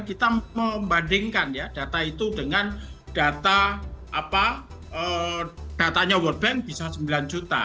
kita membandingkan ya data itu dengan datanya world bank bisa sembilan juta